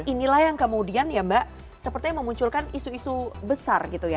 inilah yang kemudian ya mbak sepertinya memunculkan isu isu besar gitu ya